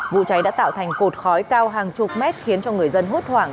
vụ cháy đã tạo thành cột khói cao hàng chục mét khiến cho người dân hốt hoảng